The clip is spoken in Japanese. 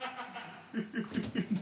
フフフフ。